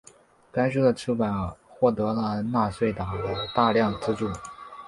此书的出版获得了纳粹党的大量资助。